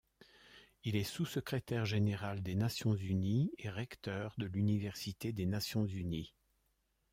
Il est sous-secrétaire général des Nations unies, et recteur de l'université des Nations unies.